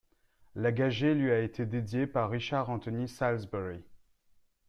La Gagée lui a été dédiée par Richard Anthony Salisbury.